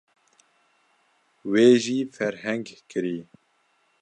Wê jî ferheng kirî.